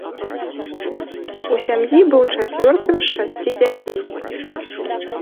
У сям'і быў чацвёртым з шасці дзяцей.